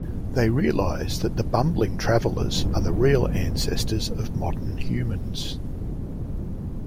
They realise that the bumbling travellers are the real ancestors of modern humans.